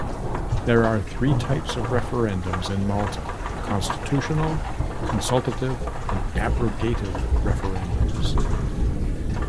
There are three types of referendums in Malta: constitutional, consultative and abrogative referendums.